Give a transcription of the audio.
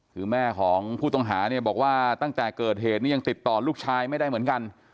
คือแม่ของผู้ต้องหาเนี่ยบอกว่าตั้งแต่เกิดเหตุนี้ยังติดต่อลูกชายไม่ได้เหมือนกัน